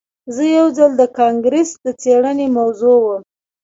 زه یو ځل د کانګرس د څیړنې موضوع وم